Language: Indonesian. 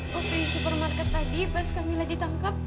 waktu di supermarket tadi pas kamila ditangkap